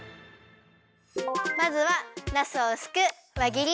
まずはなすをうすくわぎりにするよ。